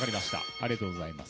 ありがとうございます。